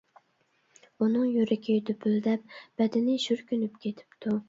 ئۇنىڭ يۈرىكى دۈپۈلدەپ، بەدىنى شۈركۈنۈپ كېتىپتۇ.